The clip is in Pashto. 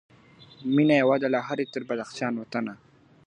مېنه یوه ده له هري تر بدخشان وطنه .